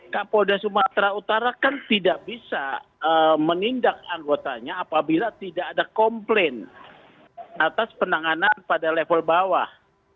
kapolda sumatera utara kan tidak bisa menindak anggotanya apabila tidak ada komplain atas penanganan pada level bawah